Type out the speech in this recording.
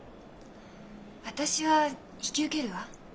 私は引き受けるわ。